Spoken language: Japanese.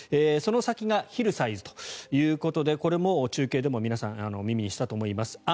その先がヒルサイズということでこれも中継でも皆さん耳にしたと思います。